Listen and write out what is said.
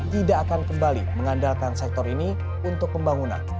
tidak akan kembali mengandalkan sektor ini untuk pembangunan